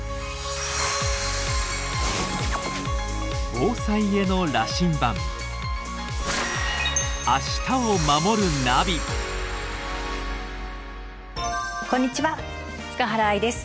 防災への羅針盤こんにちは塚原愛です。